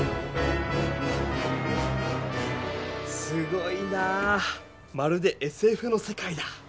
すごいなぁまるでＳＦの世界だ！